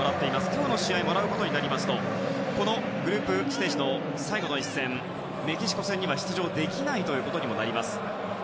今日の試合もらうことになりますとこのグループステージの最後の一戦メキシコ戦には出場できないことになります。